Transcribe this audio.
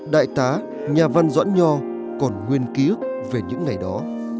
đại tá nhà văn doãn nho còn nguyên ký ức về những ngày đó